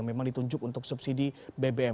memang ditunjuk untuk subsidi bbm